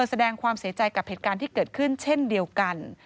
แสดงความเสียใจกับเหตุการณ์ที่เกิดขึ้นเช่นเดียวกัน